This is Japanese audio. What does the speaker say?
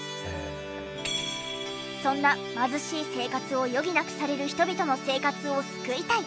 そんな貧しい生活を余儀なくされる人々の生活を救いたい！